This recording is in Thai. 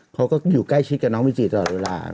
เขาก็อยู่ใกล้ชิดกับน้องบีจีตลอดเวลา